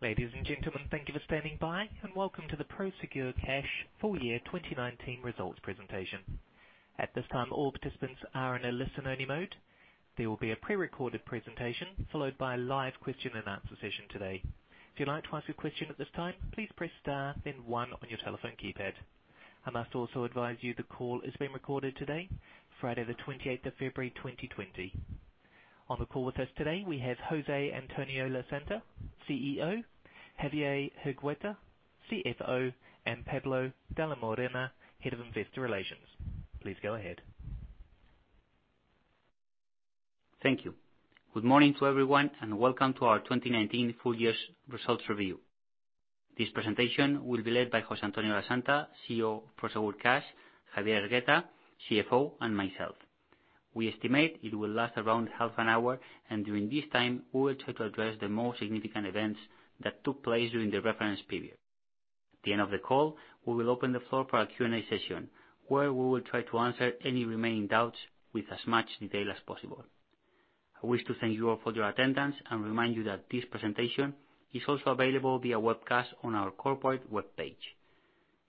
Ladies and gentlemen, thank you for standing by, welcome to the Prosegur Cash Full Year 2019 Results presentation. At this time, all participants are in a listen-only mode. There will be a pre-recorded presentation followed by a live question and answer session today. If you'd like to ask a question at this time, please press star then one on your telephone keypad. I must also advise you the call is being recorded today, Friday the 28th of February 2020. On the call with us today, we have José Antonio Lasanta, CEO, Javier Hergueta, CFO, and Pablo de la Morena, Head of Investor Relations. Please go ahead. Thank you. Good morning to everyone. Welcome to our 2019 full year's results review. This presentation will be led by José Antonio Lasanta, CEO of Prosegur Cash, Javier Hergueta, CFO, and myself. We estimate it will last around half an hour, and during this time, we will try to address the most significant events that took place during the reference period. At the end of the call, we will open the floor for our Q&A session, where we will try to answer any remaining doubts with as much detail as possible. I wish to thank you all for your attendance and remind you that this presentation is also available via webcast on our corporate webpage.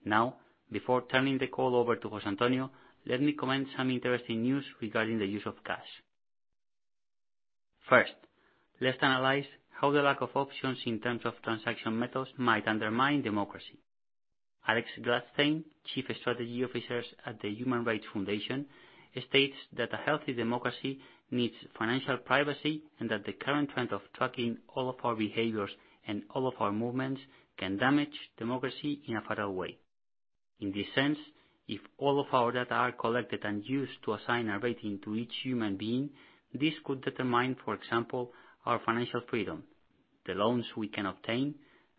Now, before turning the call over to José Antonio, let me comment some interesting news regarding the use of cash. First, let's analyze how the lack of options in terms of transaction methods might undermine democracy. Alex Gladstein, Chief Strategy Officer at the Human Rights Foundation, states that a healthy democracy needs financial privacy and that the current trend of tracking all of our behaviors and all of our movements can damage democracy in a fatal way. In this sense, if all of our data are collected and used to assign a rating to each human being, this could determine, for example, our financial freedom, the loans we can obtain,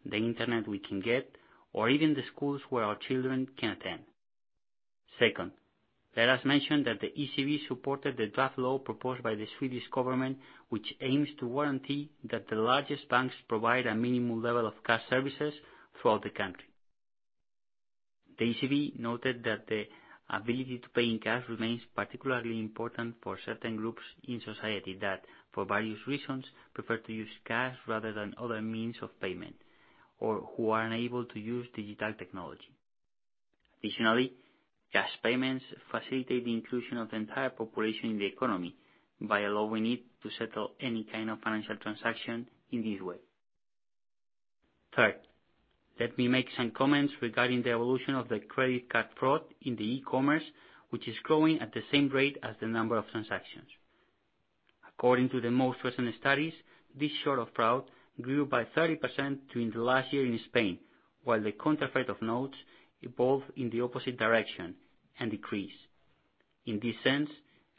the internet we can get, or even the schools where our children can attend. Second, let us mention that the ECB supported the draft law proposed by the Swedish government, which aims to guarantee that the largest banks provide a minimum level of cash services throughout the country. The ECB noted that the ability to pay in cash remains particularly important for certain groups in society that, for various reasons, prefer to use cash rather than other means of payment, or who are unable to use digital technology. Additionally, cash payments facilitate the inclusion of the entire population in the economy by allowing it to settle any kind of financial transaction in this way. Third, let me make some comments regarding the evolution of the credit card fraud in the e-commerce, which is growing at the same rate as the number of transactions. According to the most recent studies, this sort of fraud grew by 30% during the last year in Spain, while the counterfeit of notes evolved in the opposite direction and decreased. In this sense,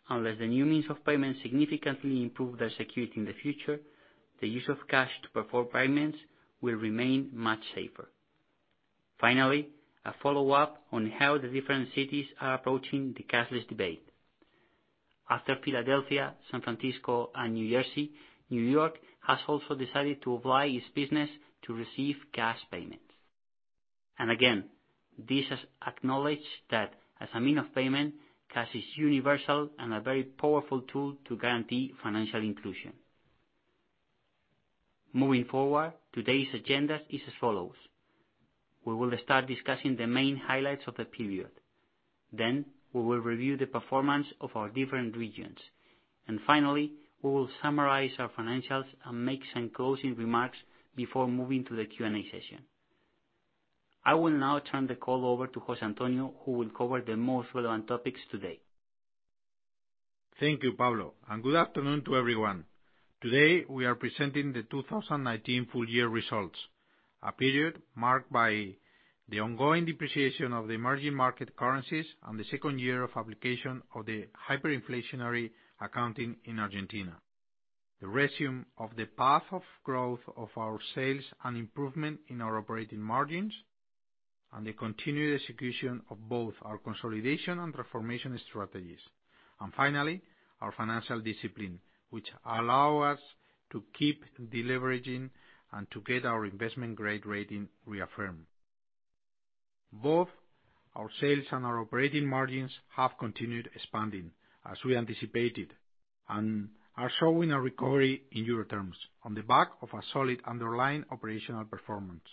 unless the new means of payment significantly improve their security in the future, the use of cash to perform payments will remain much safer. A follow-up on how the different cities are approaching the cashless debate. After Philadelphia, San Francisco, and New Jersey, N.Y. has also decided to oblige its business to receive cash payments. This has acknowledged that as a means of payment, cash is universal and a very powerful tool to guarantee financial inclusion. Moving forward, today's agenda is as follows. We will start discussing the main highlights of the period. We will review the performance of our different regions. We will summarize our financials and make some closing remarks before moving to the Q&A session. I will now turn the call over to José Antonio, who will cover the most relevant topics today. Thank you, Pablo, and good afternoon to everyone. Today, we are presenting the 2019 full year results, a period marked by the ongoing depreciation of the emerging market currencies and the second year of application of the hyperinflationary accounting in Argentina, the resume of the path of growth of our sales and improvement in our operating margins, and the continued execution of both our consolidation and transformation strategies. Finally, our financial discipline, which allow us to keep deleveraging and to get our investment-grade rating reaffirmed. Both our sales and our operating margins have continued expanding as we anticipated and are showing a recovery in Euro terms on the back of a solid underlying operational performance.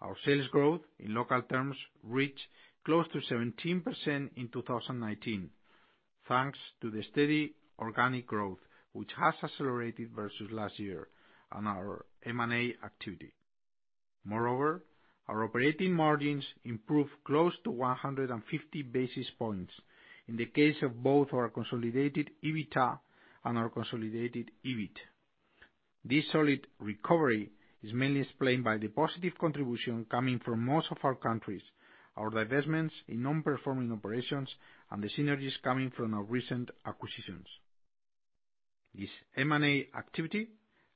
Our sales growth in local terms reached close to 17% in 2019, thanks to the steady organic growth, which has accelerated versus last year on our M&A activity. Moreover, our operating margins improved close to 150 basis points in the case of both our consolidated EBITDA and our consolidated EBIT. This solid recovery is mainly explained by the positive contribution coming from most of our countries, our divestments in non-performing operations, and the synergies coming from our recent acquisitions. This M&A activity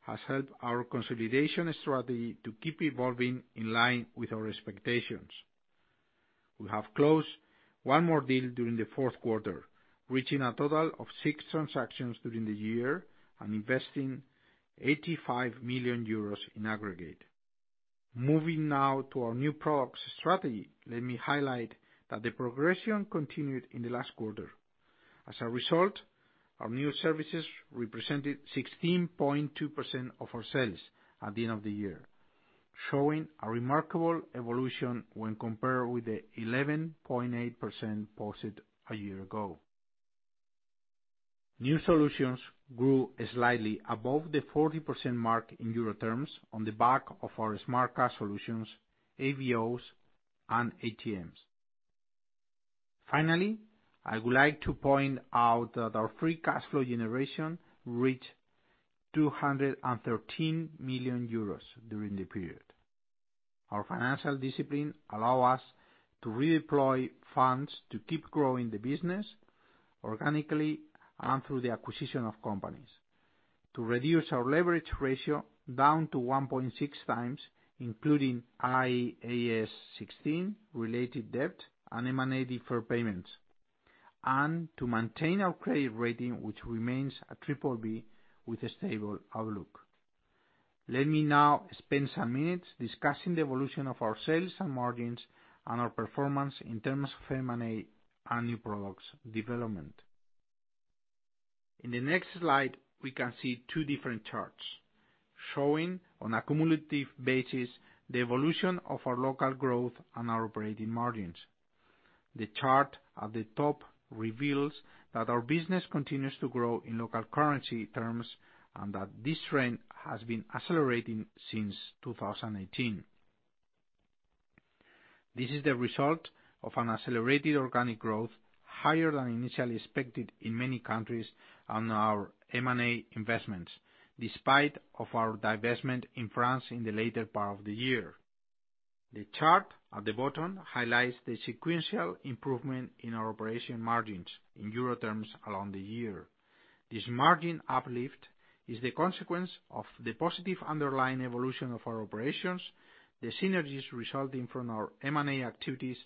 has helped our consolidation strategy to keep evolving in line with our expectations. We have closed one more deal during the fourth quarter, reaching a total of six transactions during the year and investing 85 million euros in aggregate. Moving now to our new products strategy. Let me highlight that the progression continued in the last quarter. As a result, our new services represented 16.2% of our sales at the end of the year, showing a remarkable evolution when compared with the 11.8% posted a year ago. New solutions grew slightly above the 40% mark in euro terms on the back of our Smart Cash solutions, AVOS, and ATMs. I would like to point out that our free cash flow generation reached 213 million euros during the period. Our financial discipline allow us to redeploy funds to keep growing the business organically and through the acquisition of companies, to reduce our leverage ratio down to 1.6x, including IFRS 16 related debt and M&A deferred payments, and to maintain our credit rating, which remains at BBB with a stable outlook. Let me now spend some minutes discussing the evolution of our sales and margins and our performance in terms of M&A and new products development. In the next slide, we can see two different charts showing, on a cumulative basis, the evolution of our local growth and our operating margins. The chart at the top reveals that our business continues to grow in local currency terms, and that this trend has been accelerating since 2018. This is the result of an accelerated organic growth higher than initially expected in many countries on our M&A investments, despite of our divestment in France in the later part of the year. The chart at the bottom highlights the sequential improvement in our operation margins in euro terms along the year. This margin uplift is the consequence of the positive underlying evolution of our operations, the synergies resulting from our M&A activities,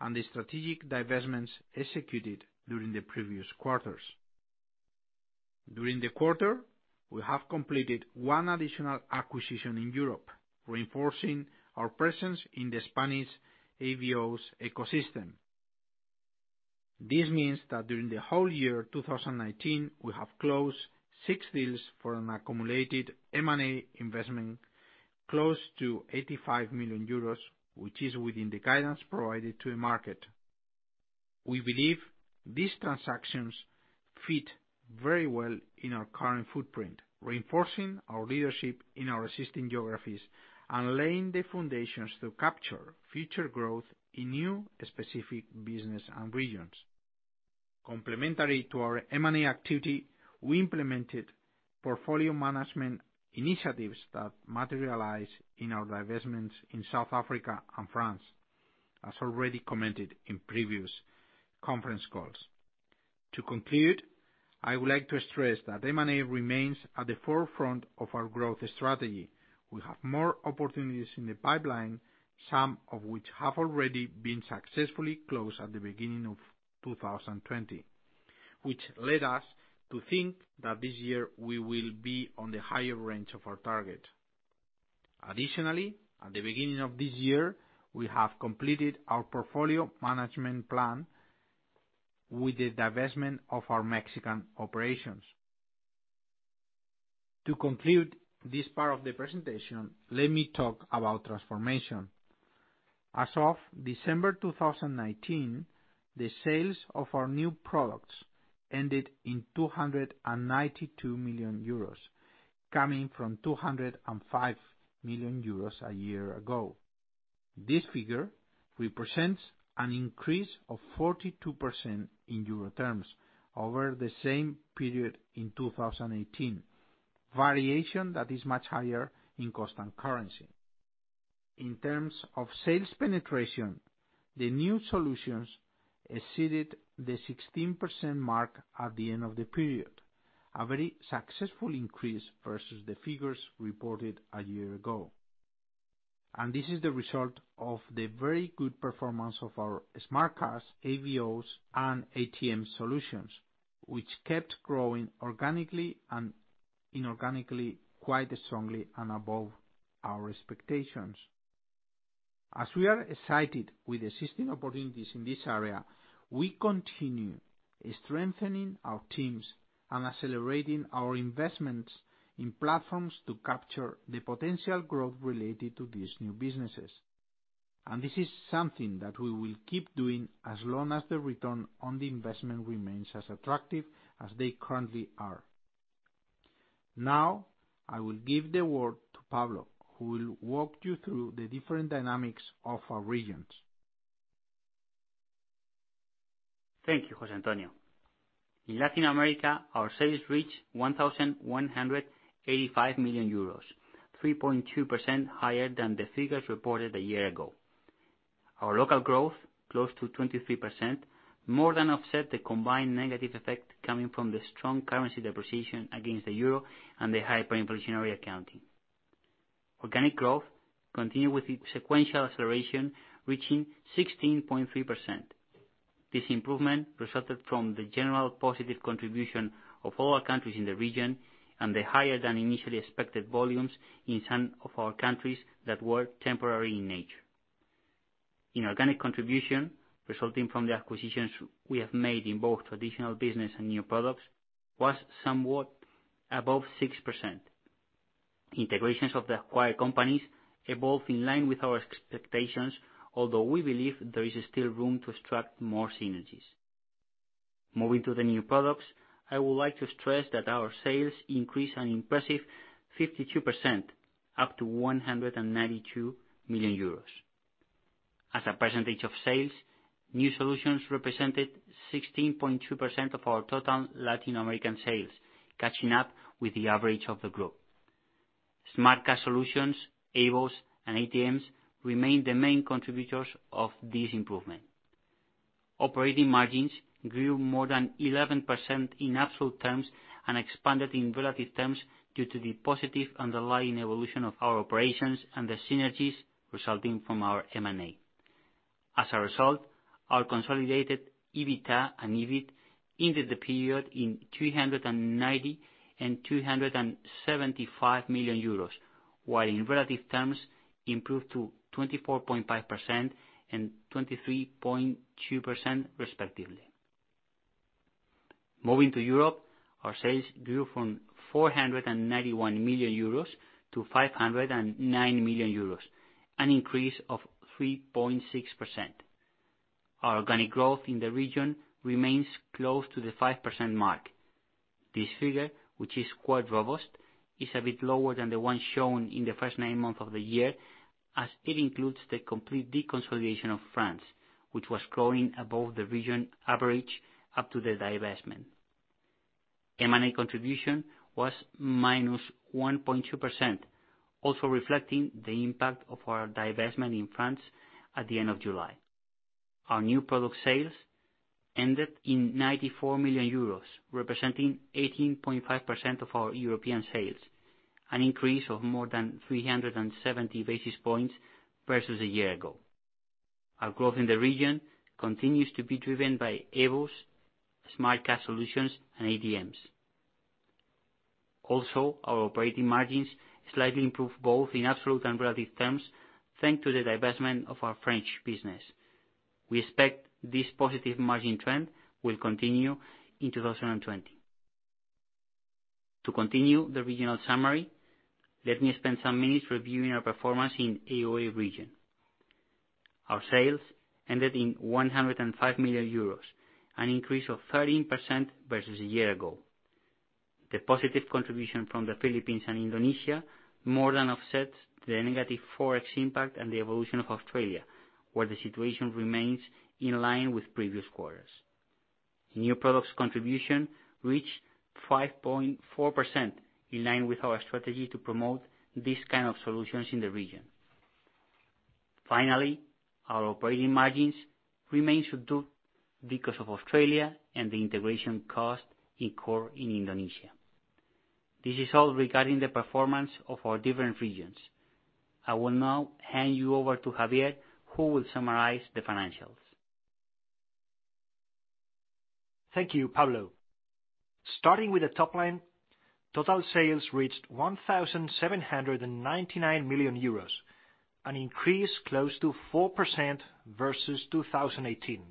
and the strategic divestments executed during the previous quarters. During the quarter, we have completed one additional acquisition in Europe, reinforcing our presence in the Spanish AVOS ecosystem. This means that during the whole year 2019, we have closed six deals for an accumulated M&A investment close to 85 million euros, which is within the guidance provided to the market. We believe these transactions fit very well in our current footprint, reinforcing our leadership in our existing geographies and laying the foundations to capture future growth in new specific business and regions. Complementary to our M&A activity, we implemented portfolio management initiatives that materialize in our divestments in South Africa and France, as already commented in previous conference calls. To conclude, I would like to stress that M&A remains at the forefront of our growth strategy. We have more opportunities in the pipeline, some of which have already been successfully closed at the beginning of 2020, which led us to think that this year we will be on the higher range of our target. Additionally, at the beginning of this year, we have completed our portfolio management plan with the divestment of our Mexican operations. To conclude this part of the presentation, let me talk about transformation. As of December 2019, the sales of our new products ended in 292 million euros, coming from 205 million euros a year ago. This figure represents an increase of 42% in euro terms over the same period in 2018. Variation that is much higher in constant currency. In terms of sales penetration, the new solutions exceeded the 16% mark at the end of the period, a very successful increase versus the figures reported a year ago. This is the result of the very good performance of our Smart Cash, AVOS, and ATM solutions, which kept growing organically and inorganically quite strongly and above our expectations. As we are excited with existing opportunities in this area, we continue strengthening our teams and accelerating our investments in platforms to capture the potential growth related to these new businesses. This is something that we will keep doing as long as the return on the investment remains as attractive as they currently are. I will give the word to Pablo, who will walk you through the different dynamics of our regions. Thank you, José Antonio Lasanta. In Latin America, our sales reached 1,185 million euros, 3.2% higher than the figures reported a year ago. Our local growth, close to 23%, more than offset the combined negative effect coming from the strong currency depreciation against the euro and the hyperinflationary accounting. Organic growth continued with its sequential acceleration, reaching 16.3%. This improvement resulted from the general positive contribution of all our countries in the region and the higher than initially expected volumes in some of our countries that were temporary in nature. In organic contribution, resulting from the acquisitions we have made in both traditional business and new products, was somewhat above 6%. Integrations of the acquired companies evolved in line with our expectations, although we believe there is still room to extract more synergies. Moving to the new products, I would like to stress that our sales increased an impressive 52%, up to 192 million euros. As a percentage of sales, new solutions represented 16.2% of our total Latin American sales, catching up with the average of the group. Smart Cash Solutions, AVOS, and ATMs remain the main contributors of this improvement. Operating margins grew more than 11% in absolute terms and expanded in relative terms due to the positive underlying evolution of our operations and the synergies resulting from our M&A. As a result, our consolidated EBITDA and EBIT ended the period in 390 and 275 million euros, while in relative terms improved to 24.5% and 23.2% respectively. Moving to Europe, our sales grew from 491 million euros to 509 million euros, an increase of 3.6%. Our organic growth in the region remains close to the 5% mark. This figure, which is quite robust, is a bit lower than the one shown in the first nine months of the year, as it includes the complete deconsolidation of France, which was growing above the region average up to the divestment. M&A contribution was -1.2%, also reflecting the impact of our divestment in France at the end of July. Our new product sales ended in 94 million euros, representing 18.5% of our European sales, an increase of more than 370 basis points versus a year ago. Our growth in the region continues to be driven by AVOS, Smart Cash solutions, and ATMs. Our operating margins slightly improved both in absolute and relative terms, thanks to the divestment of our French business. We expect this positive margin trend will continue in 2020. To continue the regional summary, let me spend some minutes reviewing our performance in AOA region. Our sales ended in 105 million euros, an increase of 13% versus a year ago. The positive contribution from the Philippines and Indonesia more than offsets the negative forex impact and the evolution of Australia, where the situation remains in line with previous quarters. New products contribution reached 5.4%, in line with our strategy to promote these kind of solutions in the region. Finally, our operating margins remain subdued because of Australia and the integration cost incurred in Indonesia. This is all regarding the performance of our different regions. I will now hand you over to Javier, who will summarize the financials. Thank you, Pablo. Starting with the top line, total sales reached 1,799 million euros, an increase close to 4% versus 2018.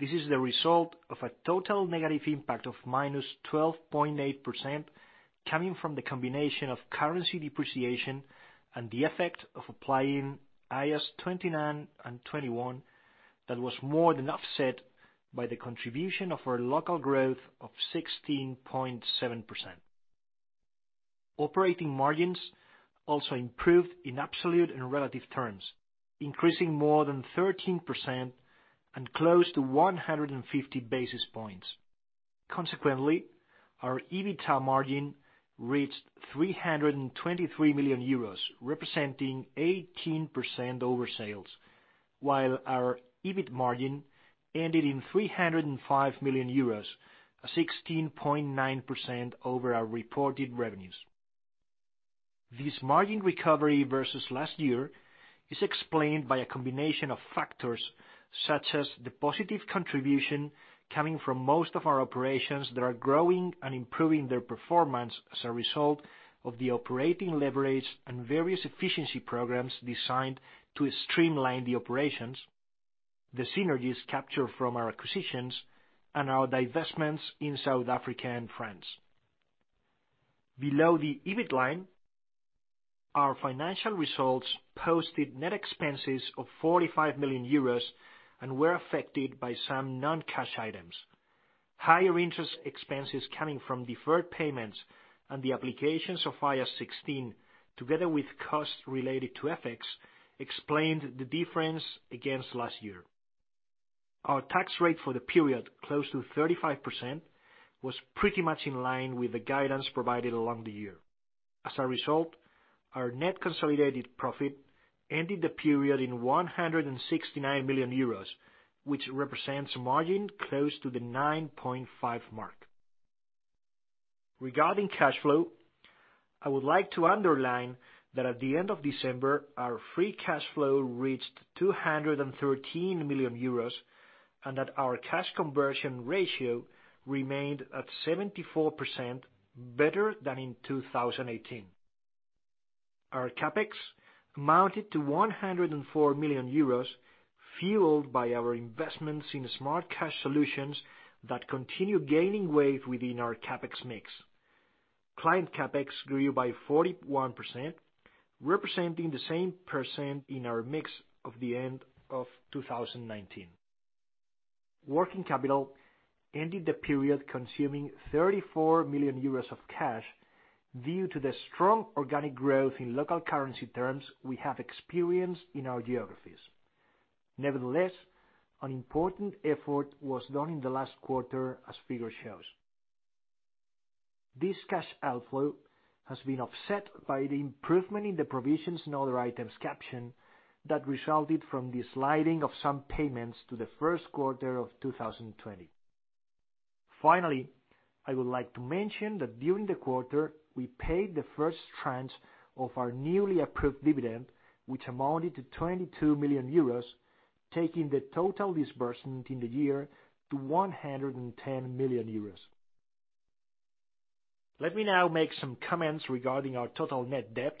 This is the result of a total negative impact of -12.8% coming from the combination of currency depreciation and the effect of applying IAS 29 and 21 that was more than offset by the contribution of our local growth of 16.7%. Operating margins also improved in absolute and relative terms, increasing more than 13% and close to 150 basis points. Consequently, our EBITDA margin reached 323 million euros, representing 18% over sales, while our EBIT margin ended in 305 million euros, 16.9% over our reported revenues. This margin recovery versus last year is explained by a combination of factors such as the positive contribution coming from most of our operations that are growing and improving their performance as a result of the operating leverage and various efficiency programs designed to streamline the operations, the synergies captured from our acquisitions, and our divestments in South Africa and France. Below the EBIT line, our financial results posted net expenses of 45 million euros and were affected by some non-cash items. Higher interest expenses coming from deferred payments and the applications of IAS 16, together with costs related to FX, explained the difference against last year. Our tax rate for the period, close to 35%, was pretty much in line with the guidance provided along the year. As a result, our net consolidated profit ended the period in 169 million euros, which represents margin close to the 9.5 mark. Regarding cash flow, I would like to underline that at the end of December, our free cash flow reached 213 million euros, and that our cash conversion ratio remained at 74%, better than in 2018. Our CapEx amounted to 104 million euros, fueled by our investments in Smart Cash solutions that continue gaining weight within our CapEx mix. Client CapEx grew by 41%, representing the same percent in our mix of the end of 2019. Working capital ended the period consuming 34 million euros of cash due to the strong organic growth in local currency terms we have experienced in our geographies. Nevertheless, an important effort was done in the last quarter as figure shows. This cash outflow has been offset by the improvement in the provisions in other items caption that resulted from the sliding of some payments to the first quarter of 2020. Finally, I would like to mention that during the quarter, we paid the first tranche of our newly approved dividend, which amounted to 22 million euros, taking the total disbursement in the year to 110 million euros. Let me now make some comments regarding our total net debt,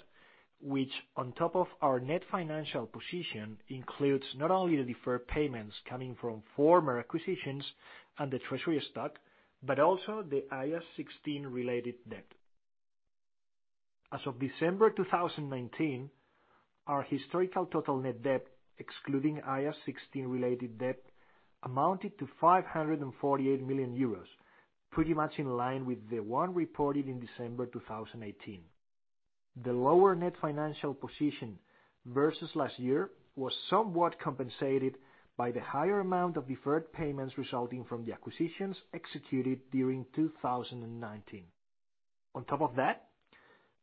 which on top of our net financial position, includes not only the deferred payments coming from former acquisitions and the treasury stock, but also the IAS 16 related debt. As of December 2019, our historical total net debt, excluding IAS 16-related debt, amounted to 548 million euros, pretty much in line with the one reported in December 2018. The lower net financial position versus last year was somewhat compensated by the higher amount of deferred payments resulting from the acquisitions executed during 2019. On top of that,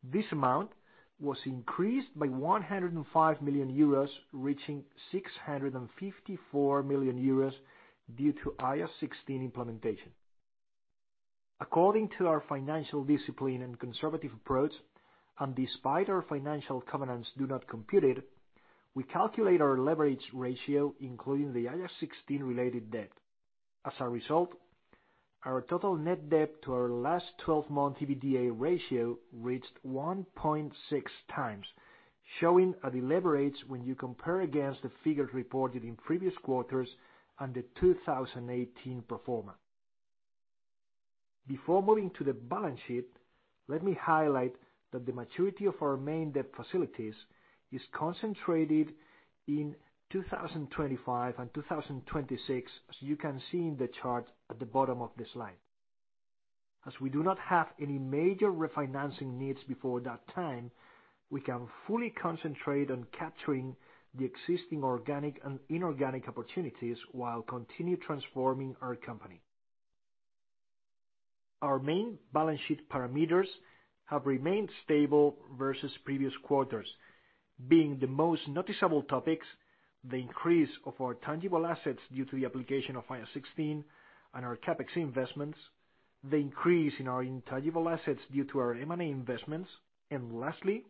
this amount was increased by 105 million euros, reaching 654 million euros due to IAS 16 implementation. According to our financial discipline and conservative approach, and despite our financial covenants do not compute it, we calculate our leverage ratio, including the IAS 16-related debt. As a result, our total net debt to our last 12-month EBITDA ratio reached 1.6x, showing a deliberate when you compare against the figures reported in previous quarters and the 2018 performance. Before moving to the balance sheet, let me highlight that the maturity of our main debt facilities is concentrated in 2025 and 2026, as you can see in the chart at the bottom of the slide. As we do not have any major refinancing needs before that time, we can fully concentrate on capturing the existing organic and inorganic opportunities while continue transforming our company. Our main balance sheet parameters have remained stable versus previous quarters, being the most noticeable topics, the increase of our tangible assets due to the application of IAS 16 and our CapEx investments, the increase in our intangible assets due to our M&A investments, and lastly,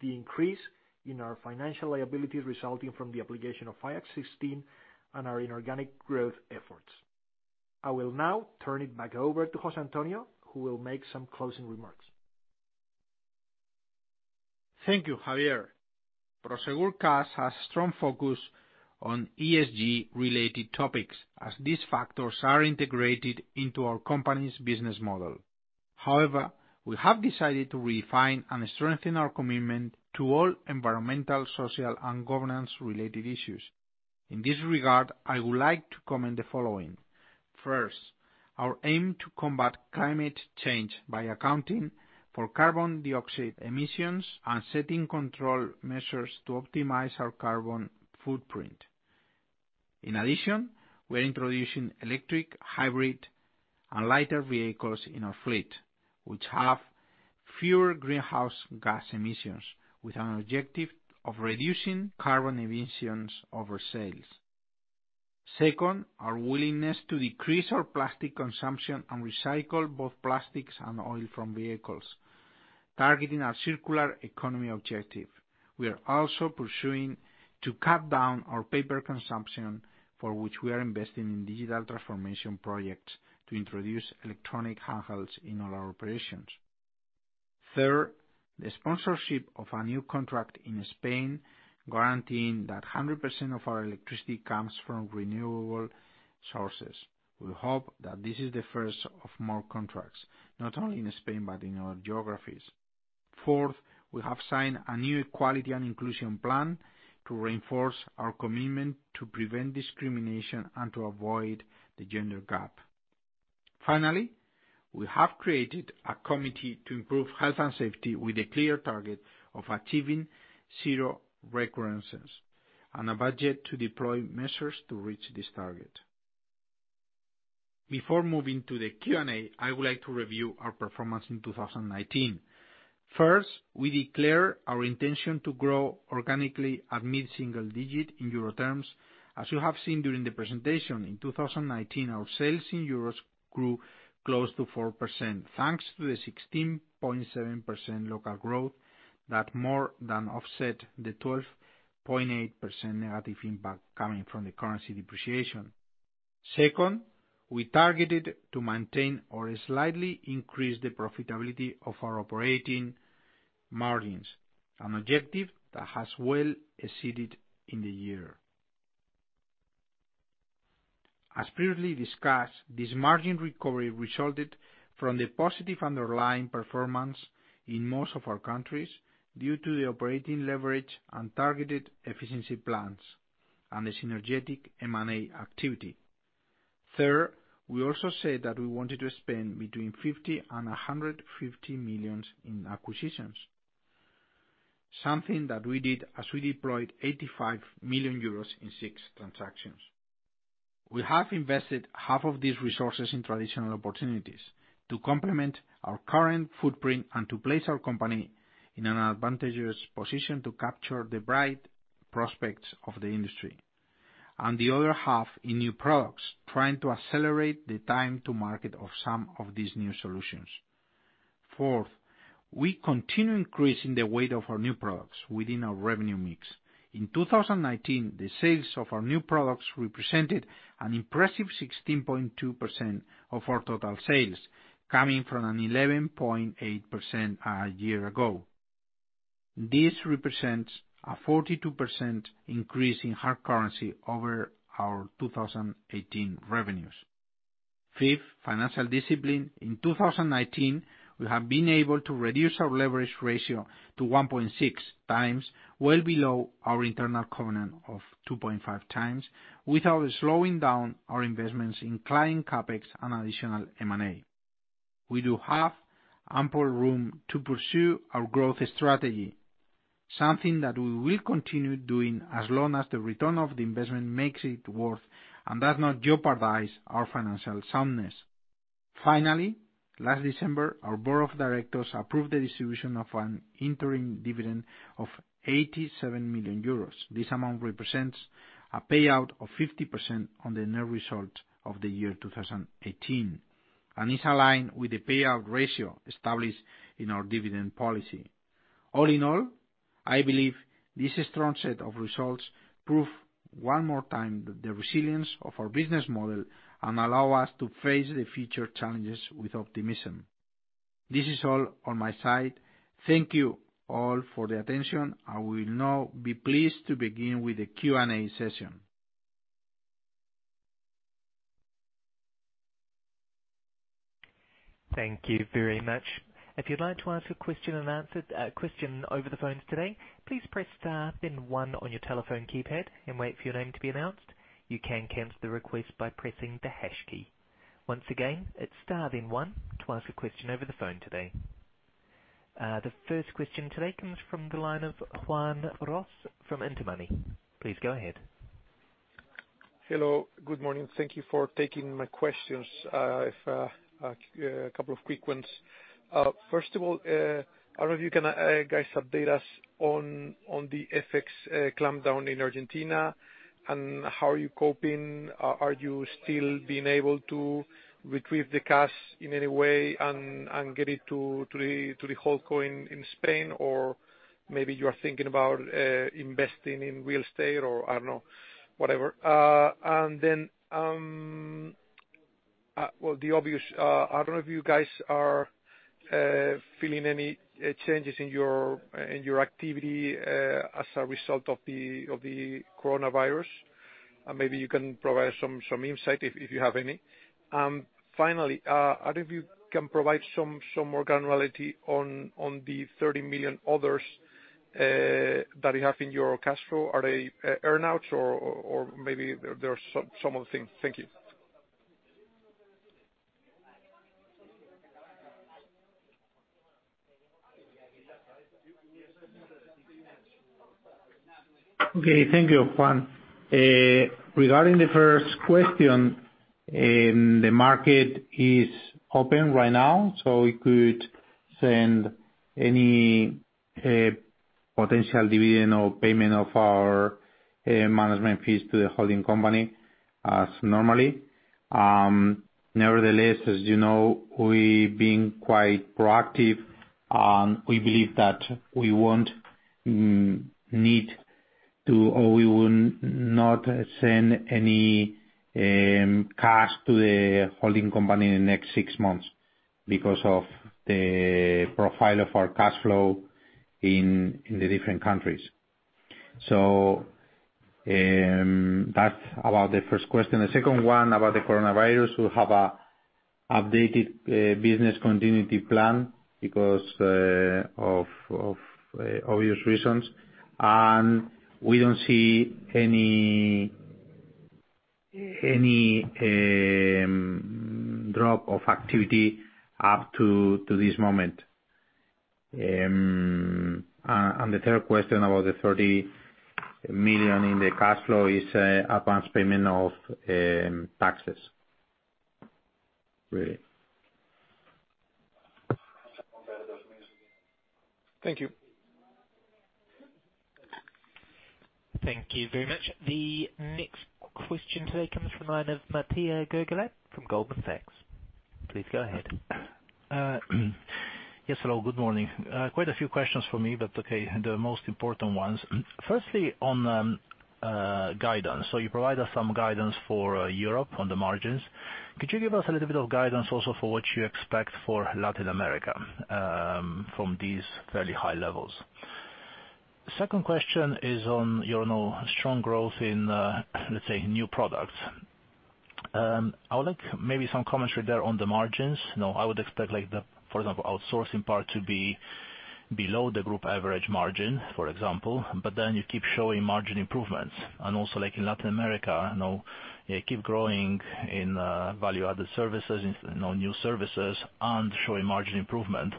the increase in our financial liabilities resulting from the application of IAS 16 and our inorganic growth efforts. I will now turn it back over to José Antonio, who will make some closing remarks. Thank you, Javier. Prosegur Cash has strong focus on ESG-related topics, as these factors are integrated into our company's business model. However, we have decided to refine and strengthen our commitment to all environmental, social, and governance-related issues. In this regard, I would like to comment the following. First, our aim to combat climate change by accounting for carbon dioxide emissions and setting control measures to optimize our carbon footprint. In addition, we're introducing electric, hybrid, and lighter vehicles in our fleet, which have fewer greenhouse gas emissions, with an objective of reducing carbon emissions over sales. Second, our willingness to decrease our plastic consumption and recycle both plastics and oil from vehicles, targeting our circular economy objective. We are also pursuing to cut down our paper consumption, for which we are investing in digital transformation projects to introduce electronic handhelds in all our operations. Third, the sponsorship of a new contract in Spain, guaranteeing that 100% of our electricity comes from renewable sources. We hope that this is the first of more contracts, not only in Spain but in our geographies. Fourth, we have signed a new equality and inclusion plan to reinforce our commitment to prevent discrimination and to avoid the gender gap. Finally, we have created a committee to improve health and safety with a clear target of achieving zero recurrences and a budget to deploy measures to reach this target. Before moving to the Q&A, I would like to review our performance in 2019. First, we declare our intention to grow organically at mid-single digit in euro terms. As you have seen during the presentation, in 2019, our sales in EUR grew close to 4%, thanks to the 16.7% local growth. That more than offset the 12.8%- impact coming from the currency depreciation. Second, we targeted to maintain or slightly increase the profitability of our operating margins, an objective that has well exceeded in the year. As previously discussed, this margin recovery resulted from the positive underlying performance in most of our countries due to the operating leverage and targeted efficiency plans and the synergetic M&A activity. Third, we also said that we wanted to spend between 50 million and 150 million in acquisitions, something that we did as we deployed 85 million euros in six transactions. We have invested half of these resources in traditional opportunities to complement our current footprint and to place our company in an advantageous position to capture the bright prospects of the industry. The other half in new products, trying to accelerate the time to market of some of these new solutions. Fourth, we continue increasing the weight of our new products within our revenue mix. In 2019, the sales of our new products represented an impressive 16.2% of our total sales, coming from an 11.8% a year ago. This represents a 42% increase in hard currency over our 2018 revenues. Fifth, financial discipline. In 2019, we have been able to reduce our leverage ratio to 1.6x, well below our internal covenant of 2.5x, without slowing down our investments in client CapEx and additional M&A. We do have ample room to pursue our growth strategy, something that we will continue doing as long as the return of the investment makes it worth and does not jeopardize our financial soundness. Finally, last December, our board of directors approved the distribution of an interim dividend of 87 million euros. This amount represents a payout of 50% on the net result of the year 2018, and is aligned with the payout ratio established in our dividend policy. All in all, I believe this strong set of results prove one more time the resilience of our business model and allow us to face the future challenges with optimism. This is all on my side. Thank you all for the attention. I will now be pleased to begin with the Q&A session. Thank you very much. If you'd like to ask a question over the phone today, please press star then one on your telephone keypad and wait for your name to be announced. You can cancel the request by pressing the hash key. Once again, it's star then one to ask a question over the phone today. The first question today comes from the line of Juan Ros from Intermoney. Please go ahead. Hello. Good morning. Thank you for taking my questions. I have a couple of quick ones. First of all, I don't know if you can, guys, update us on the FX clampdown in Argentina, and how are you coping? Are you still being able to retrieve the cash in any way and get it to the holding company in Spain? Maybe you are thinking about investing in real estate or, I don't know, whatever. Well, the obvious, I don't know if you guys are feeling any changes in your activity as a result of the coronavirus. Maybe you can provide some insight if you have any. Finally, I don't know if you can provide some more granularity on the 30 million others that you have in your cash flow. Are they earn-outs or maybe they're some other thing? Thank you. Okay, thank you, Juan. Regarding the first question, the market is open right now, we could send any potential dividend or payment of our management fees to the holding company as normally. As you know, we've been quite proactive, and we believe that we won't need to, or we will not send any cash to the holding company in the next six months because of the profile of our cash flow in the different countries. That's about the first question. The second one about the coronavirus, we have an updated business continuity plan because of obvious reasons, and we don't see any drop of activity up to this moment. The third question about the 30 million in the cash flow is advance payment of taxes. Thank you. Thank you very much. The next question today comes from the line of Mattia Colangelo from Goldman Sachs. Please go ahead. Yes, hello. Good morning. Quite a few questions from me, but okay, the most important ones. Firstly, on guidance. You provided some guidance for Europe on the margins. Could you give us a little bit of guidance also for what you expect for Latin America from these fairly high levels? Second question is on your strong growth in, let's say, new products. I would like maybe some commentary there on the margins. I would expect the, for example, outsourcing part to be below the group average margin, for example, but then you keep showing margin improvements. Also, like in Latin America, you keep growing in value-added services, new services, and showing margin improvement.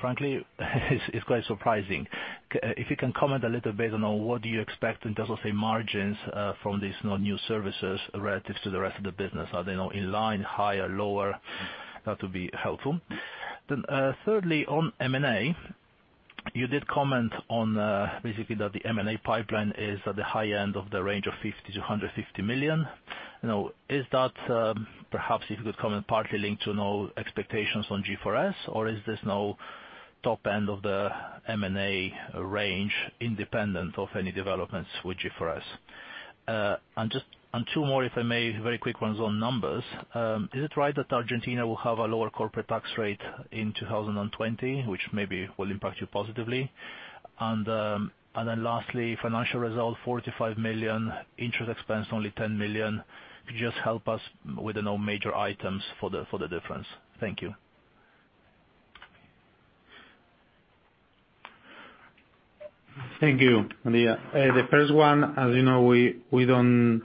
Frankly it's quite surprising. If you can comment a little bit on what do you expect in terms of, say, margins from these new services relative to the rest of the business. Are they now in line, higher, lower? That would be helpful. Thirdly, on M&A. You did comment on basically that the M&A pipeline is at the high end of the range of 50 million-150 million. Perhaps if you could comment partly linked to no expectations on G4S, or is this now top end of the M&A range, independent of any developments with G4S? Two more, if I may. Very quick ones on numbers. Is it right that Argentina will have a lower corporate tax rate in 2020, which maybe will impact you positively? Lastly, financial result, 45 million, interest expense only 10 million. Could you just help us with the major items for the difference? Thank you. Thank you, Mattia. The first one, as you know, we don't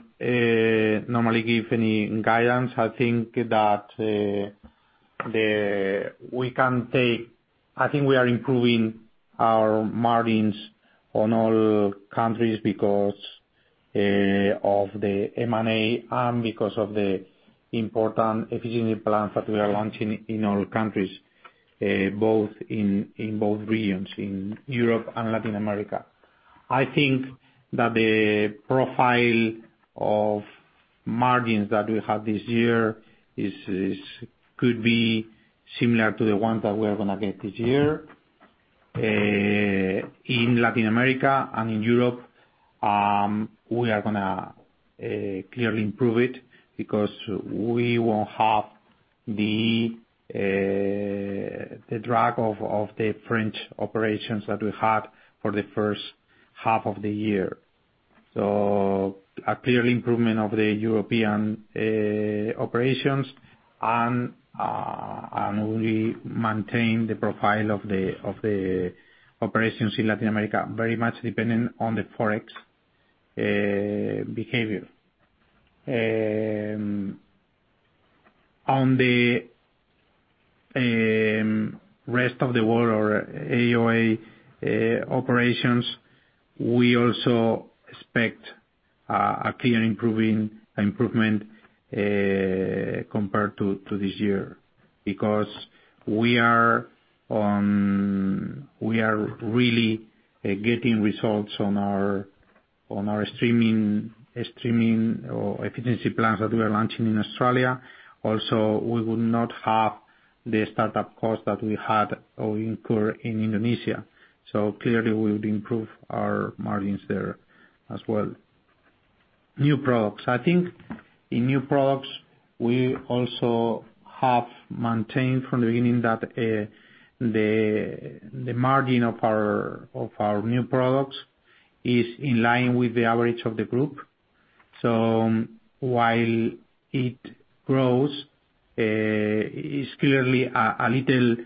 normally give any guidance. I think we are improving our margins on all countries because of the M&A and because of the important efficiency plans that we are launching in all countries, in both regions, in Europe and Latin America. I think that the profile of margins that we had this year could be similar to the ones that we are going to get this year. In Latin America and in Europe, we are going to clearly improve it because we won't have the drag of the French operations that we had for the first half of the year. A clear improvement of the European operations, and we maintain the profile of the operations in Latin America, very much dependent on the Forex behavior. On the rest of the world or AOA operations, we also expect a clear improvement compared to this year because we are really getting results on our streamlining or efficiency plans that we are launching in Australia. We would not have the startup cost that we had incurred in Indonesia. Clearly, we would improve our margins there as well. New products. I think in new products, we also have maintained from the beginning that the margin of our new products is in line with the average of the group. While it grows, it's clearly a little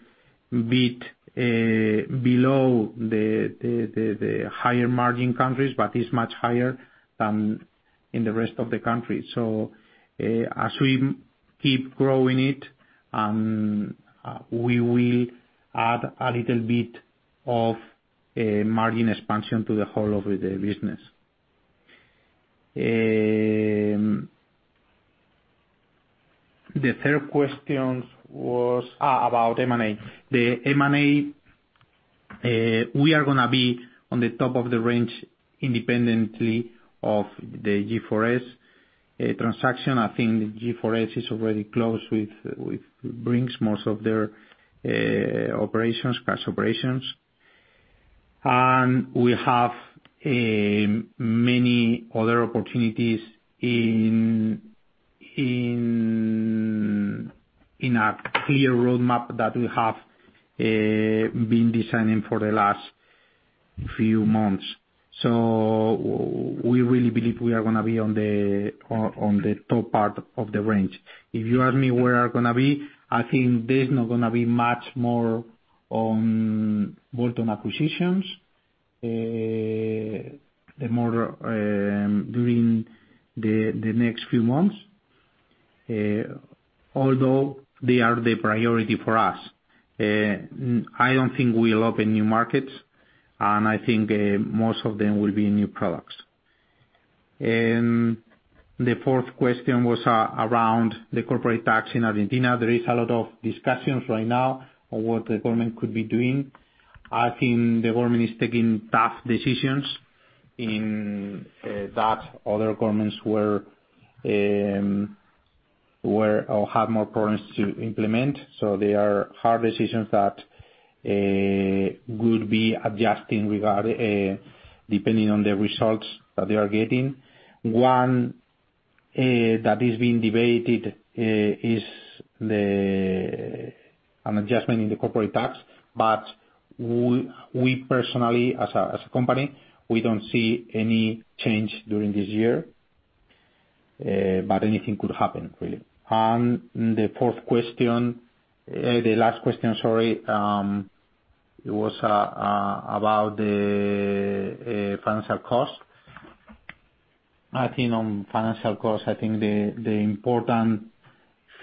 bit below the higher margin countries, but is much higher than in the rest of the countries. As we keep growing it, we will add a little bit of margin expansion to the whole of the business. The third question was about M&A. The M&A, we are going to be on the top of the range independently of the G4S transaction. I think G4S is already close with Brink's, most of their operations, cash operations. We have many other opportunities in our clear roadmap that we have been designing for the last few months. We really believe we are going to be on the top part of the range. If you ask me where are going to be, I think there's not going to be much more on bolt-on acquisitions during the next few months. Although they are the priority for us. I don't think we'll open new markets, I think most of them will be new products. The fourth question was around the corporate tax in Argentina. There is a lot of discussions right now on what the government could be doing. I think the government is taking tough decisions in that other governments have more problems to implement. They are hard decisions that will be adjusting, depending on the results that they are getting. One that is being debated is an adjustment in the corporate tax, but we personally, as a company, we don't see any change during this year. Anything could happen, really. The last question, sorry, it was about the financial cost. I think on financial cost, I think the important thing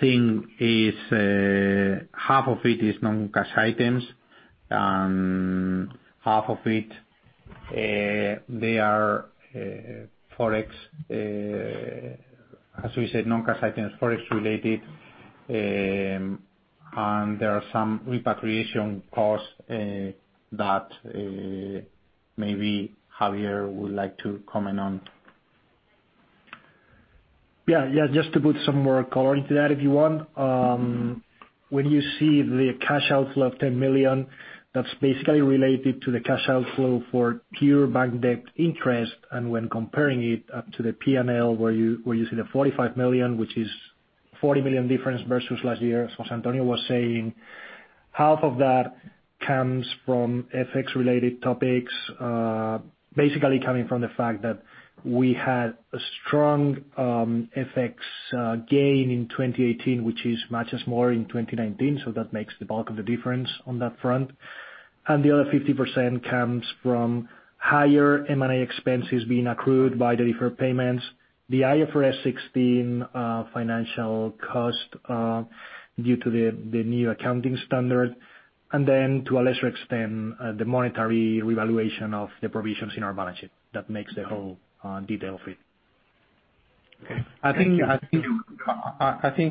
is half of it is non-cash items. Half of it, they are Forex. As we said, non-cash items, Forex-related, and there are some repatriation costs that maybe Javier would like to comment on. Just to put some more color into that, if you want. When you see the cash outflow of 10 million, that's basically related to the cash outflow for pure bank debt interest, and when comparing it up to the P&L where you see the 45 million, which is 40 million difference versus last year. As José Antonio was saying, half of that comes from FX-related topics. Basically coming from the fact that we had a strong FX gain in 2018, which is much more in 2019, that makes the bulk of the difference on that front. The other 50% comes from higher M&A expenses being accrued by the deferred payments. The IFRS 16 financial cost due to the new accounting standard, then to a lesser extent, the monetary revaluation of the provisions in our balance sheet. That makes the whole detail of it. I think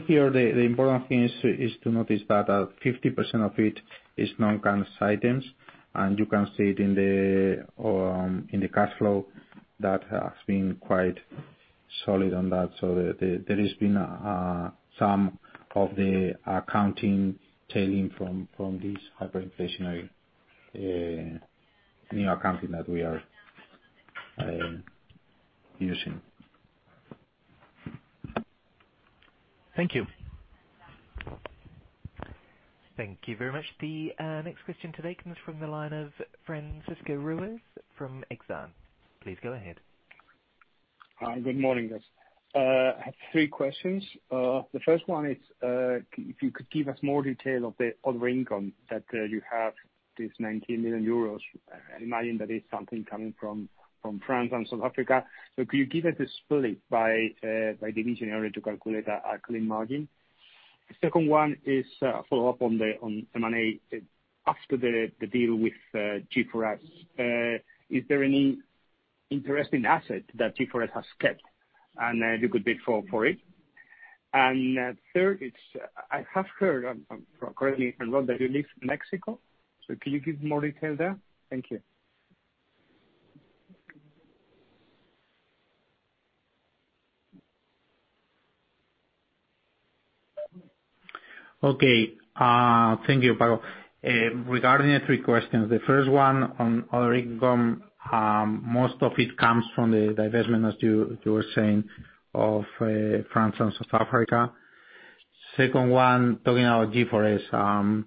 here the important thing is to notice that 50% of it is non-cash items, and you can see it in the cash flow that has been quite solid on that. There has been some of the accounting tailing from this hyperinflationary new accounting that we are using. Thank you. Thank you very much. The next question today comes from the line of Francisco Ruiz from Exane. Please go ahead. Hi. Good morning, guys. I have three questions. The first one is, if you could give us more detail of the other income that you have, this 19 million euros. I imagine that is something coming from France and South Africa. Could you give us a split by division in order to calculate our clean margin? The second one is a follow-up on M&A. After the deal with G4S, is there any interesting asset that G4S has kept, and you could bid for it? Third is, I have heard correctly from Rob that you leave Mexico. Can you give more detail there? Thank you. Okay. Thank you, Pablo. Regarding your three questions, the first one on other income, most of it comes from the divestment, as you were saying, of France and South Africa. Second one, talking about G4S.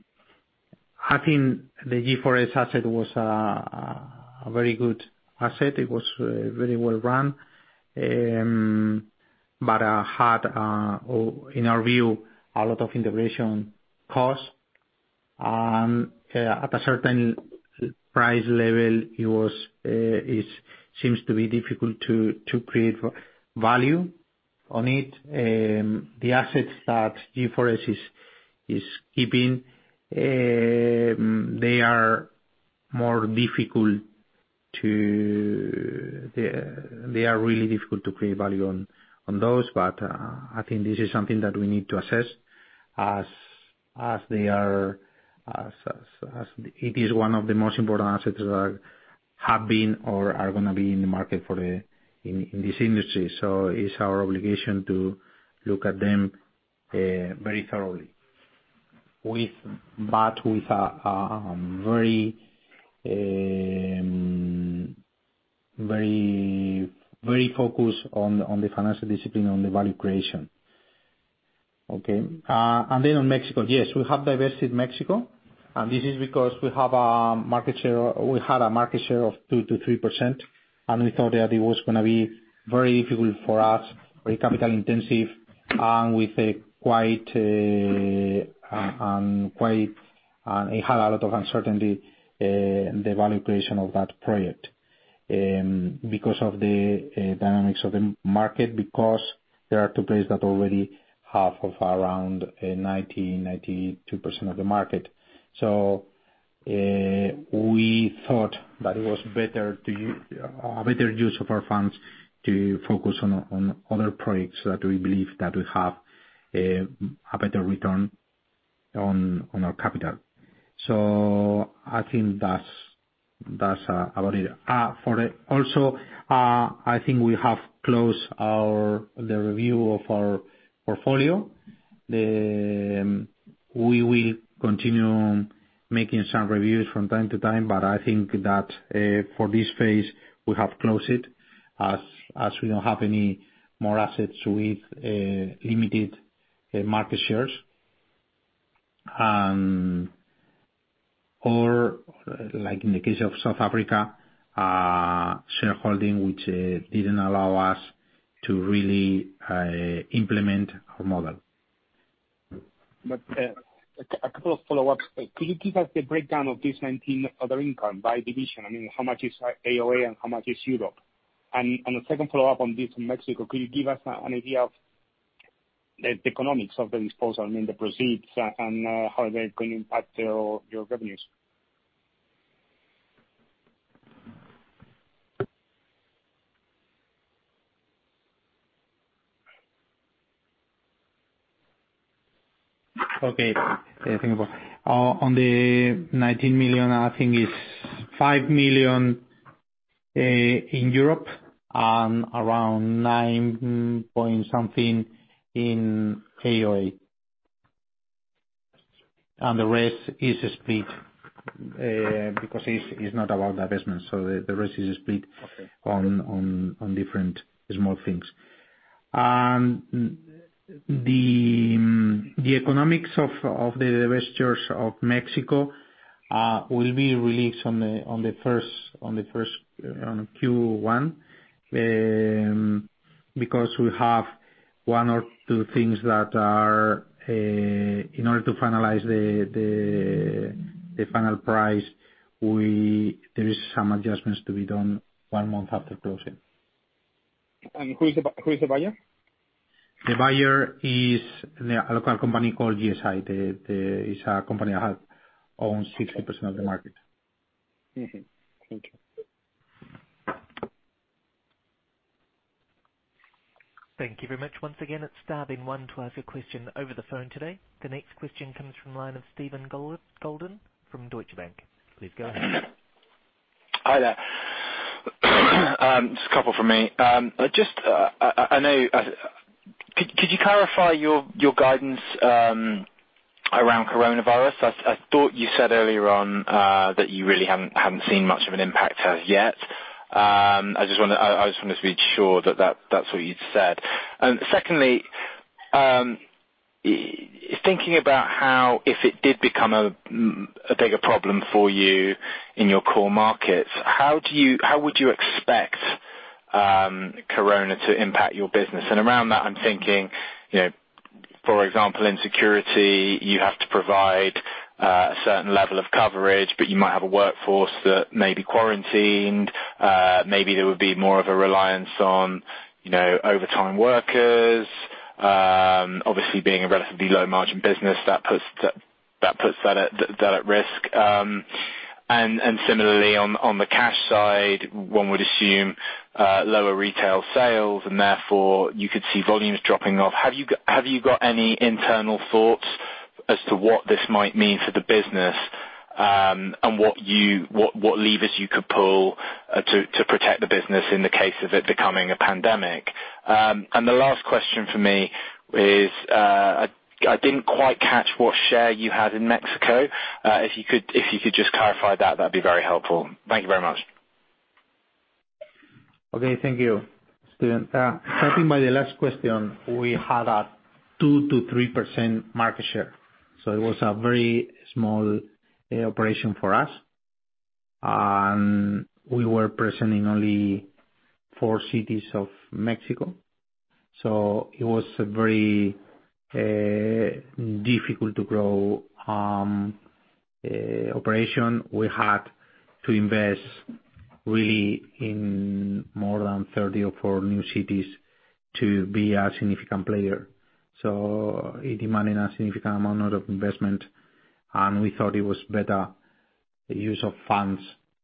I think the G4S asset was a very good asset. It was very well run. Had, in our view, a lot of integration costs. At a certain price level, it seems to be difficult to create value on it. The assets that G4S is keeping, they are really difficult to create value on those, but I think this is something that we need to assess as it is one of the most important assets that have been or are going to be in the market in this industry. It's our obligation to look at them very thoroughly. With very focus on the financial discipline, on the value creation. Okay. On Mexico, yes, we have divested Mexico. This is because we had a market share of 2%-3%, and we thought that it was going to be very difficult for us, very capital intensive, and it had a lot of uncertainty in the valuation of that project because of the dynamics of the market, because there are two players that already have around 90%-92% of the market. We thought that it was a better use of our funds to focus on other projects that we believe that will have a better return on our capital. I think that's about it. Also, I think we have closed the review of our portfolio. We will continue making some reviews from time to time, I think that for this phase, we have closed it as we don't have any more assets with limited market shares. Like in the case of South Africa, shareholding, which didn't allow us to really implement our model. A couple of follow-ups. Could you give us the breakdown of this 19 other income by division? How much is AOA and how much is Europe? A second follow-up on this, Mexico. Could you give us an idea of the economics of the disposal and the proceeds and how they're going to impact your revenues? Okay. On the 19 million, I think it's 5 million in Europe and around nine-point-something in AOA. The rest is split, because it's not about divestment. Okay on different small things. The economics of the divestitures of Mexico will be released on Q1, because we have one or two things in order to finalize the final price, there is some adjustments to be done one month after closing. Who is the buyer? The buyer is a local company called GSI. It's a company that owns 60% of the market. Mm-hmm. Thank you. Thank you very much. Once again, it's star then one to ask a question over the phone today. The next question comes from the line of Steve Goulden from Deutsche Bank. Please go ahead. Hi there. Just a couple from me. Could you clarify your guidance around coronavirus? I thought you said earlier on that you really haven't seen much of an impact as yet. I just wanted to be sure that that's what you'd said. Secondly, thinking about how, if it did become a bigger problem for you in your core markets, how would you expect corona to impact your business? Around that, I'm thinking, for example, in security, you have to provide a certain level of coverage, but you might have a workforce that may be quarantined. Maybe there would be more of a reliance on overtime workers. Obviously, being a relatively low margin business, that puts that at risk. Similarly, on the cash side, one would assume lower retail sales, and therefore, you could see volumes dropping off. Have you got any internal thoughts as to what this might mean for the business, and what levers you could pull to protect the business in the case of it becoming a pandemic? The last question from me is, I didn't quite catch what share you had in Mexico. If you could just clarify that'd be very helpful. Thank you very much. Okay. Thank you, Steve. Starting by the last question, we had a 2%-3% market share. It was a very small operation for us. We were present in only four cities of Mexico. It was very difficult to grow operation. We had to invest, really, in more than 30 or four new cities to be a significant player. It demanded a significant amount of investment, and we thought it was better use of funds,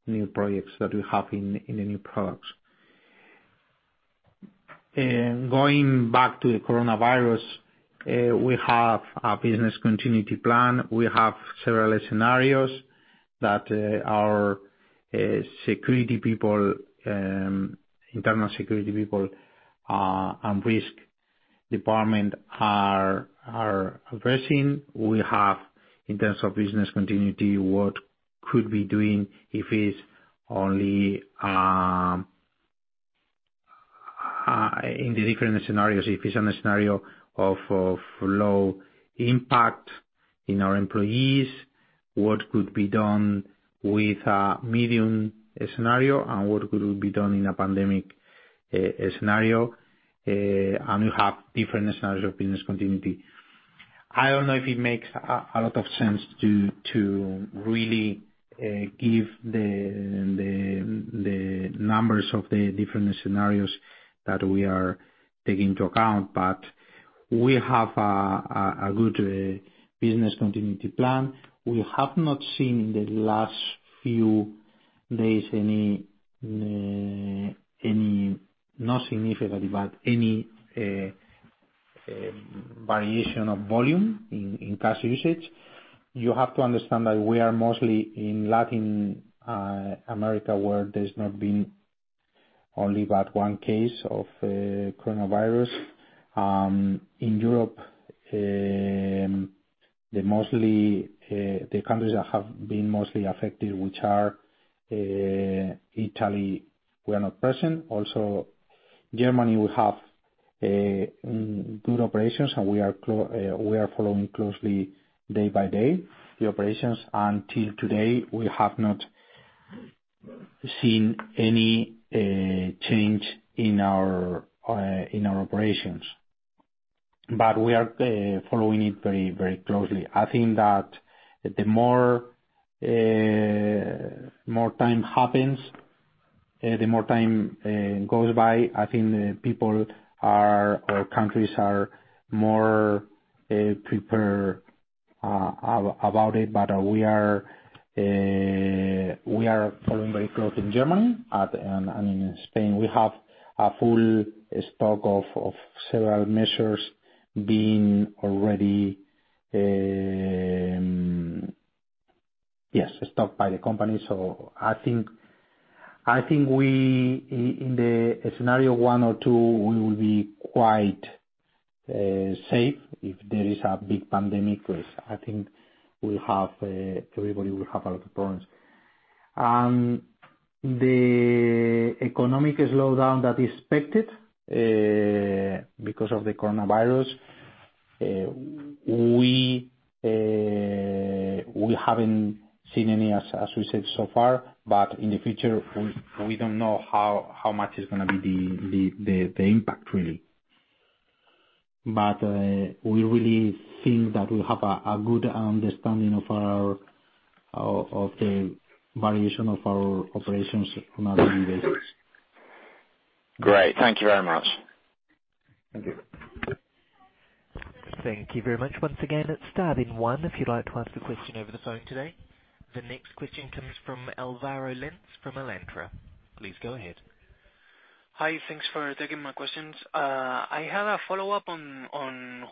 new projects that we have in the new products. Going back to the coronavirus, we have a business continuity plan. We have several scenarios that our internal security people and risk department are addressing. We have, in terms of business continuity, what could be doing if it's only in the different scenarios. If it's on a scenario of low impact in our employees. What could be done with a medium scenario and what could be done in a pandemic scenario. You have different scenarios of business continuity. I don't know if it makes a lot of sense to really give the numbers of the different scenarios that we are taking into account, but we have a good business continuity plan. We have not seen in the last few days any, not significant, but any variation of volume in cash usage. You have to understand that we are mostly in Latin America, where there's not been only but one case of coronavirus. In Europe, the countries that have been mostly affected, which are Italy, we are not present. Also Germany, we have good operations, and we are following closely day by day the operations. Until today, we have not seen any change in our operations, but we are following it very closely. I think that the more time happens, the more time goes by, I think people or countries are more prepared about it. We are following very close in Germany and in Spain. We have a full stock of several measures being all ready. Yes, stocked by the company. I think in the scenario one or two, we will be quite safe. If there is a big pandemic, I think everybody will have a lot of problems. The economic slowdown that is expected because of the coronavirus, we haven't seen any, as we said so far, but in the future, we don't know how much is going to be the impact really. We really think that we have a good understanding of the variation of our operations on a daily basis. Great. Thank you very much. Thank you. Thank you very much. Once again, it's star then one if you'd like to ask a question over the phone today. The next question comes from Álvaro Lenze from Alantra. Please go ahead. Hi. Thanks for taking my questions. I have a follow-up on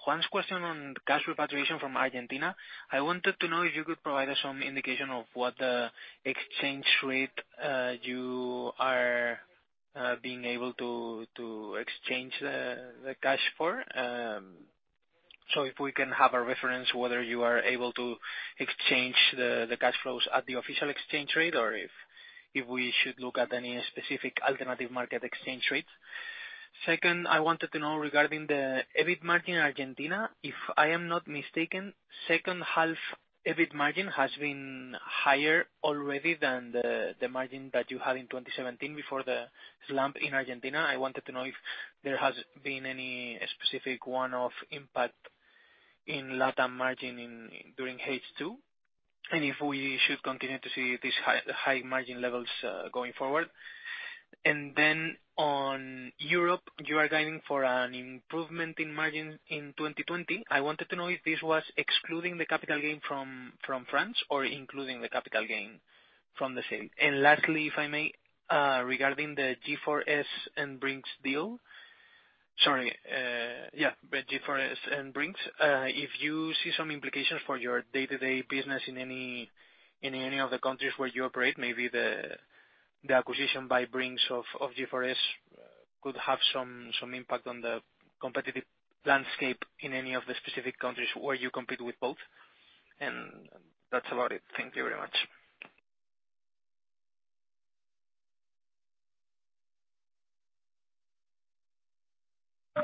Juan's question on cash repatriation from Argentina. I wanted to know if you could provide us some indication of what exchange rate you are being able to exchange the cash for. If we can have a reference whether you are able to exchange the cash flows at the official exchange rate or if we should look at any specific alternative market exchange rates. Second, I wanted to know regarding the EBIT margin in Argentina. If I am not mistaken, second half EBIT margin has been higher already than the margin that you had in 2017 before the slump in Argentina. I wanted to know if there has been any specific one-off impact in LATAM margin during H2, and if we should continue to see these high margin levels going forward. On Europe, you are guiding for an improvement in margin in 2020. I wanted to know if this was excluding the capital gain from France or including the capital gain from the sale. Lastly, if I may, regarding the G4S and Brink's deal. Sorry. Yeah. G4S and Brink's, if you see some implications for your day-to-day business in any of the countries where you operate, maybe the acquisition by Brink's of G4S could have some impact on the competitive landscape in any of the specific countries where you compete with both. That's about it. Thank you very much.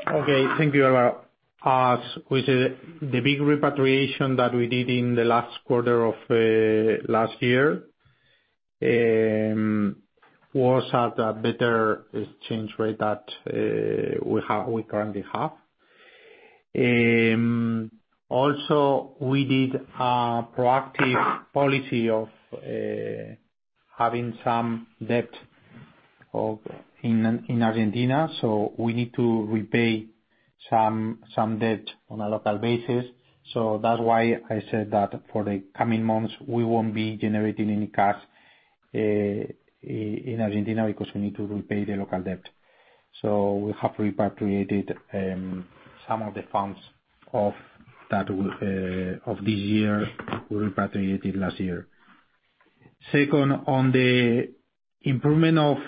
Okay. Thank you, Álvaro. With the big repatriation that we did in the last quarter of last year, was at a better exchange rate that we currently have. We did a proactive policy of having some debt in Argentina. We need to repay some debt on a local basis. That's why I said that for the coming months, we won't be generating any cash in Argentina because we need to repay the local debt. We have repatriated some of the funds of this year we repatriated last year. Second, on the improvement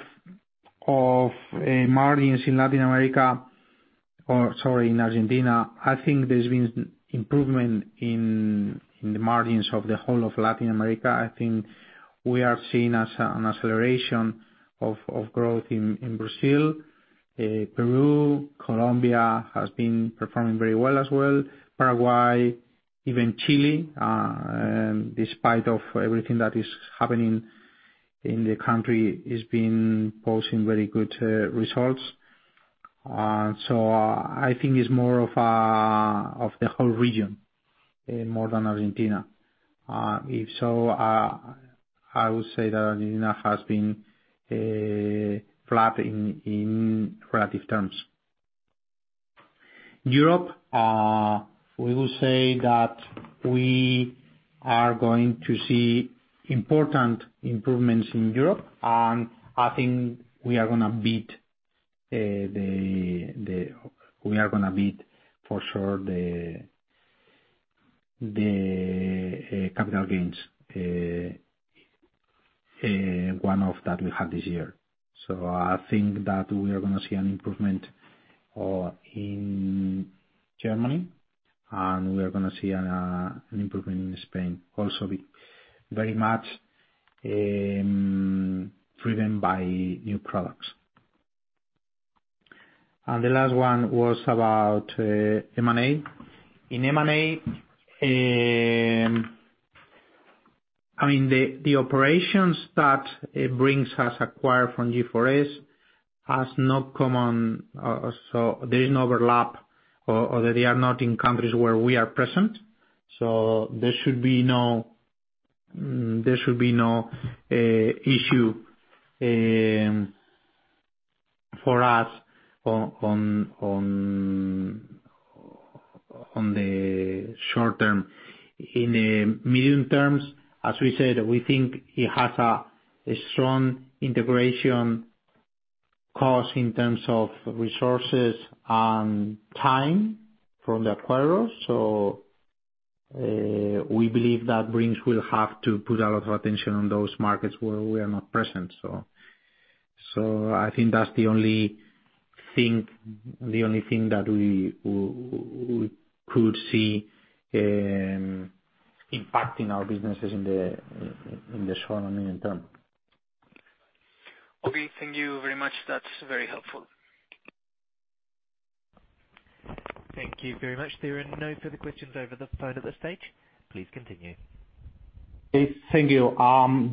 of margins in Latin America, or, sorry, in Argentina, I think there's been improvement in the margins of the whole of Latin America. I think we are seeing an acceleration of growth in Brazil, Peru, Colombia has been performing very well as well. Paraguay, even Chile, despite of everything that is happening in the country, it's been posting very good results. I think it's more of the whole region more than Argentina. If so, I would say that Argentina has been flat in relative terms. Europe, we will say that we are going to see important improvements in Europe, and I think we are going to beat for sure the capital gains, one-off that we have this year. I think that we are going to see an improvement in Germany, and we are going to see an improvement in Spain also, very much driven by new products. The last one was about M&A. In M&A, the operations that Brink's has acquired from G4S, there is no overlap or that they are not in countries where we are present. There should be no issue for us on the short term. In the medium terms, as we said, we think it has a strong integration cost in terms of resources and time from the acquirers. We believe that Brink's will have to put a lot of attention on those markets where we are not present. I think that's the only thing that we could see impacting our businesses in the short and medium term. Okay. Thank you very much. That's very helpful. Thank you very much. There are no further questions over the phone at this stage. Please continue. Thank you.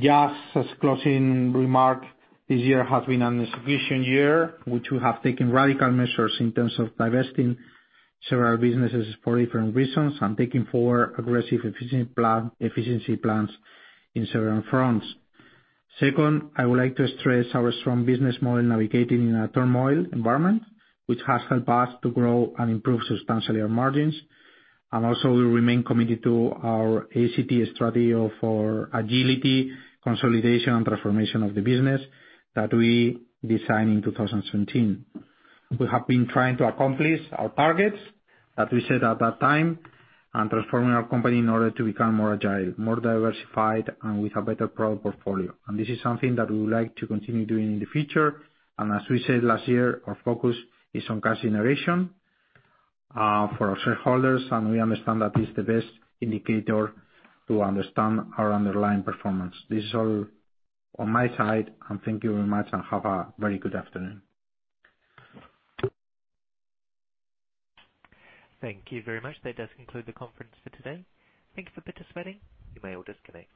Just as closing remark, this year has been an execution year, which we have taken radical measures in terms of divesting several businesses for different reasons and taking four aggressive efficiency plans in several fronts. Second, I would like to stress our strong business model navigating in a turmoil environment, which has helped us to grow and improve substantially our margins. Also, we remain committed to our ACT strategy for agility, consolidation, and transformation of the business that we designed in 2017. We have been trying to accomplish our targets that we set at that time and transforming our company in order to become more agile, more diversified, and with a better product portfolio. This is something that we would like to continue doing in the future. As we said last year, our focus is on cash generation, for our shareholders, and we understand that is the best indicator to understand our underlying performance. This is all on my side, and thank you very much and have a very good afternoon. Thank you very much. That does conclude the conference for today. Thank you for participating. You may all disconnect.